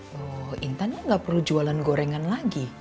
loh intan ya gak perlu jualan gorengan lagi